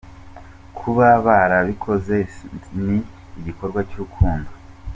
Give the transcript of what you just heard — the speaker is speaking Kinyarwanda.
Kuba barabikoze se ni igikorwa cy’urukundo ?